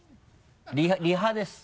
リハです。